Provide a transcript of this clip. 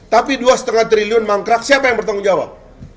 tapi dua lima triliun mangkrak siapa yang bertanggung jawab